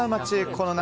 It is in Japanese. この夏